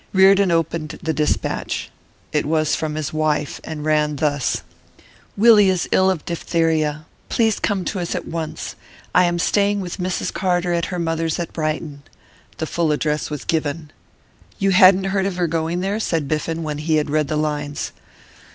Reardon opened the despatch. It was from his wife, and ran thus: 'Willie is ill of diphtheria. Please come to us at once. I am staying with Mrs Carter, at her mother's, at Brighton.' The full address was given. 'You hadn't heard of her going there?' said Biffen, when he had read the lines.